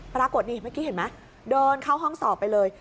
ปรากฏนี่เมื่อกี้เห็นไหมเดินเข้าห้องสอบไปเลย